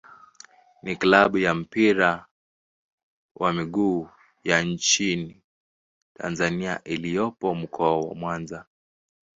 ni klabu ya mpira wa miguu ya nchini Tanzania iliyopo Mkoa wa Mwanza.